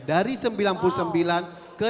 dari sembilan puluh sembilan ke dua ribu empat